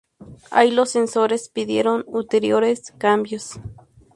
Allí, los censores pidieron ulteriores cambios.